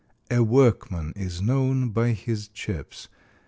"A workman is known by his chips."